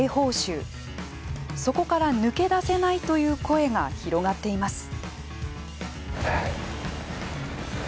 そこから抜け出せないという声が広がっています。